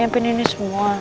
yang nyiapin ini semua